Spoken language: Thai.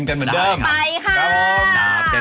ออกไปรอชิมในเดิม